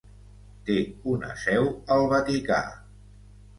Té una seu al Vaticà.